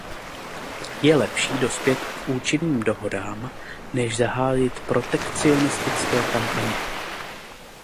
Je lepší dospět k účinným dohodám, než zahájit protekcionistické kampaně.